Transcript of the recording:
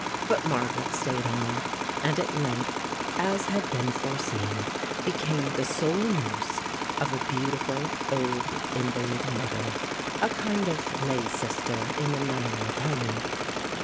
But Margaret stayed on, and at length, as had been foreseen, became the sole nurse of a beautiful old invalid mother, a kind of lay sister in the nunnery of home.